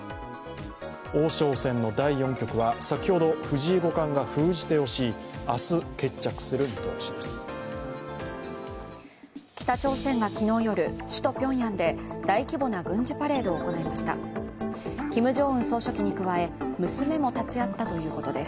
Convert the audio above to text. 王将戦の第４局は先ほど藤井王将が封じ手をし明日、決着する見通しです。